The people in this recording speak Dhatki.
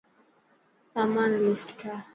سامان ري لسٽ ٺاهه.